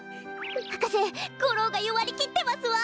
はかせゴローがよわりきってますわ。